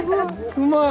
うまい！